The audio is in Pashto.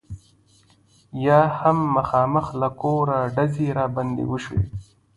یا هم مخامخ له کوره ډزې را باندې وشي.